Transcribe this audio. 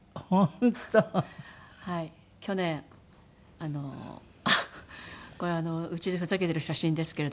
あっこれうちでふざけてる写真ですけれども。